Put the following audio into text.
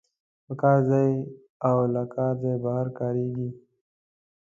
په کار ځای او له کار ځای بهر کاریږي.